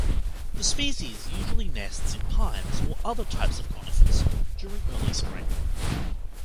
The species usually nests in pines or other types of conifers during early spring.